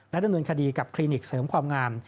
และดนตรีกับคลินิกเสริมความงาม